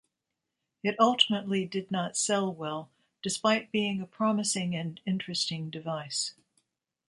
It ultimately did not sell well, despite being a promising and interesting device.